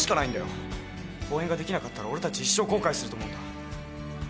公演ができなかったら俺たち一生後悔すると思うんだ。